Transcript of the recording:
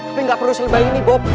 tapi nggak perlu selembah ini bob